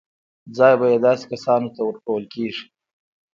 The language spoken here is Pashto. ځای به یې داسې کسانو ته ورکول کېږي.